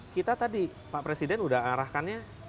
kita tadi pak presiden sudah arahkannya